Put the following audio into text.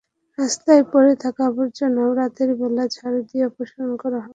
রাস্তায় পড়ে থাকা আবর্জনাও রাতের বেলা ঝাড়ু দিয়ে অপসারণ করা হয়।